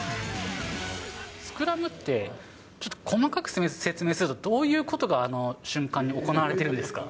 スクラムって、ちょっと細かく説明すると、どういうことがあの瞬間に行われてるんですか。